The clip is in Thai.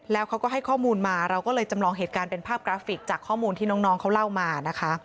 แล้วเขาก็ให้ข้อมูลมาเราก็เลยจำลองเหตุการณ์เป็นภาพกราฟิกจากข้อมูลที่น้องเขาเล่ามานะคะ